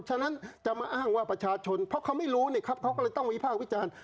ฉะนั้นจะมาอ้างว่าประชาชนเพราะเขาไม่รู้เขาก็เลยต้องวิภาควิจารณ์